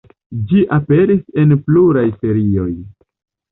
Ĝi aperis en pluraj serioj.